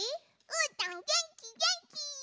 うーたんげんきげんき！